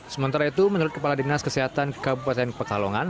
sementara itu menurut kepala dinas kesehatan kabupaten pekalongan